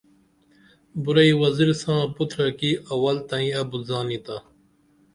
بُرعی وزیر ساں پُترہ کی اول تہ ابُت زانی تا